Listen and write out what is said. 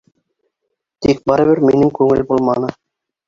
Тик барыбер минең күңел булманы.